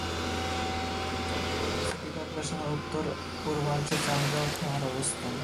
Chittagong city কর্পোরেশনের উত্তর-পূর্বাংশে চান্দগাঁও থানার অবস্থান।